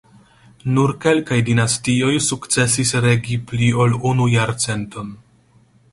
Nur kelkaj dinastioj sukcesis regi pli ol unu jarcenton.